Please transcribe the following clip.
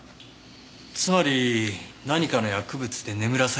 つまり何かの薬物で眠らされたわけじゃない。